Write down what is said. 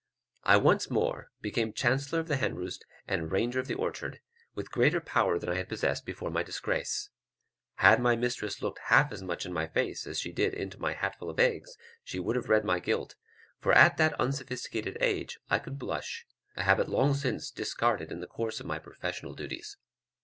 I once more became chancellor of the hen roost and ranger of the orchard, with greater power than I had possessed before my disgrace. Had my mistress looked half as much in my face as she did into my hatful of eggs, she would have read my guilt; for at that unsophisticated age I could blush, a habit long since discarded in the course of my professional duties.